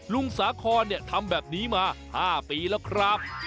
ลุงสาคอนเนี่ยทำแบบนี้มา๕ปีแล้วครับ